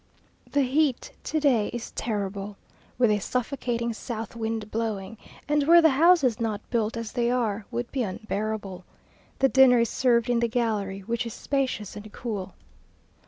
The heat to day is terrible; with a suffocating south wind blowing, and were the houses not built as they are, would be unbearable. The dinner is served in the gallery, which is spacious and cool.